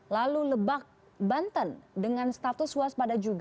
lalu lebak banten dengan status waspada juga